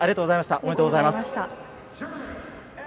おめでとうございます。